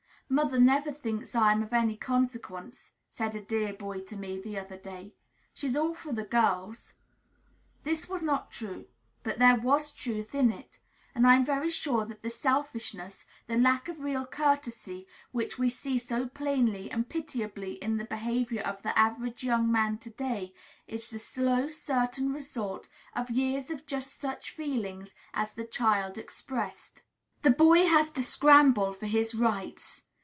"Mother never thinks I am of any consequence," said a dear boy to me, the other day. "She's all for the girls." This was not true; but there was truth in it. And I am very sure that the selfishness, the lack of real courtesy, which we see so plainly and pitiably in the behavior of the average young man to day is the slow, certain result of years of just such feelings as this child expressed. The boy has to scramble for his rights.